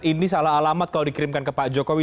ini salah alamat kalau dikirimkan ke pak jokowi